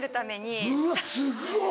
うわすごっ。